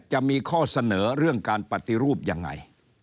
จะมีข้อเสนอเรื่องการปฏิรูปยังไง